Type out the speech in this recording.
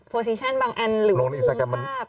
โปรซิชั่นบางอันหรือภูมิภาพ